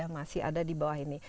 masih ada di bawah ini